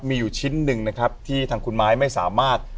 มีอยู่ชิ้นหนึ่งนะครับที่ทางคุณไม้ไม่สามารถ